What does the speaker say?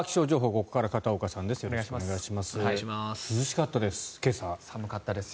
ここから片岡さんです。